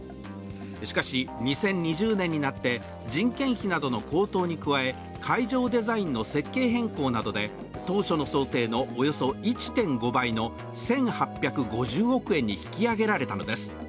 しかし、２０２０年になって人件費などの高騰に加え、会場デザインの設計変更などで当初の想定のおよそ１．５倍の１８５０億円に引き上げられたのです。